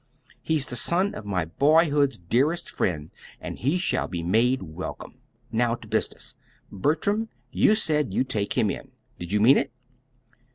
He's the son of my boyhood's dearest friend, and he shall be made welcome. Now to business! Bertram, you said you'd take him in. Did you mean it?"